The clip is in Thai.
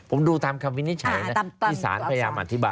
ผมดูตามคำวินิจฉัยนะที่สารพยายามอธิบาย